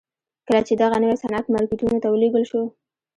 کله چې دغه نوی صنعت مارکیټونو ته ولېږل شو